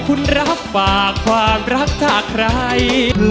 คุณรับฝากความรักจากใคร